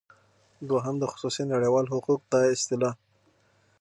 دوهم د خصوصی نړیوال حقوق دا اصطلاح